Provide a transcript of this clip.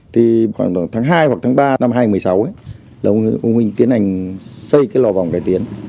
thì khoảng tháng hai hoặc tháng ba năm hai nghìn một mươi sáu ấy là ông huynh tiến hành xây cái lò vòng cải tiến